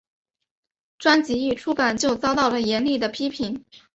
专辑一出版就遭受了严厉的批评。